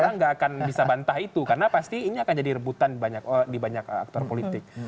orang nggak akan bisa bantah itu karena pasti ini akan jadi rebutan di banyak aktor politik